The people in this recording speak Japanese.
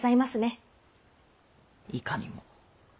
いかにも。